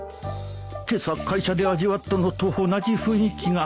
今朝会社で味わったのと同じ雰囲気が